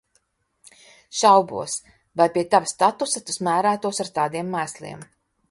Šaubos, vai pie tava statusa tu smērētos ar tādiem mēsliem.